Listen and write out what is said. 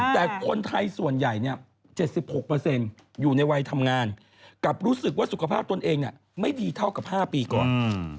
แต่คนไทยส่วนใหญ่๗๖อยู่ในวัยทำงานกับรู้สึกว่าสุขภาพตนเองไม่ดีเท่ากับ๕ปีก่อน